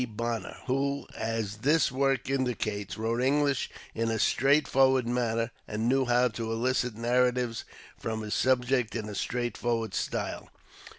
Bonner, who, as this work indicates, wrote English in a straightforward manner, and knew how to elicit narratives from his subject in a straightforward style.